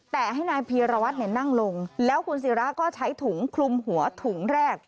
แต่ให้นายพีรวัตรนั่งลงแล้วคุณศิราก็ใช้ถุงคลุมหัวถุงแรก